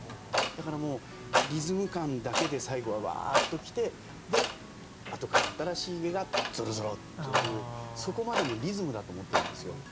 だからもうリズム感だけで最後はわっと来てで「あとから新しいひげがぞろぞろ」っていうそこまでもリズムだと思ってるんですよ。